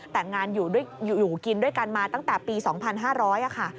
แต่งงานอยู่กินด้วยกันมาตั้งแต่ปี๒๕๐๐ค่ะ